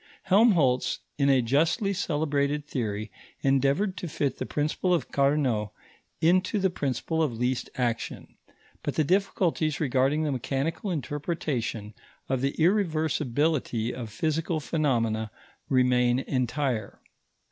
Helmholtz, in a justly celebrated theory, endeavoured to fit the principle of Carnot into the principle of least action; but the difficulties regarding the mechanical interpretation of the irreversibility of physical phenomena remain entire.